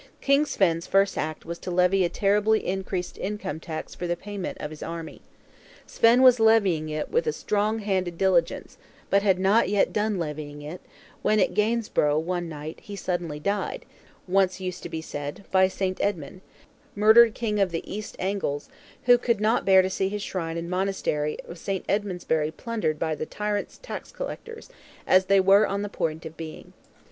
King Svein's first act was to levy a terribly increased Income Tax for the payment of his army. Svein was levying it with a stronghanded diligence, but had not yet done levying it, when, at Gainsborough one night, he suddenly died; smitten dead, once used to be said, by St. Edmund, whilom murdered King of the East Angles; who could not bear to see his shrine and monastery of St. Edmundsbury plundered by the Tyrant's tax collectors, as they were on the point of being.